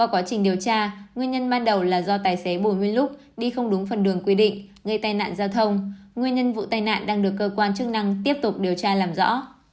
khi không đúng phần đường quy định gây tai nạn giao thông nguyên nhân vụ tai nạn đang được cơ quan chức năng tiếp tục điều tra làm rõ